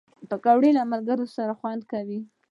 پکورې له ملګرو سره خوند کوي